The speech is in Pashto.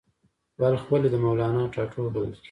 بلخ ولې د مولانا ټاټوبی بلل کیږي؟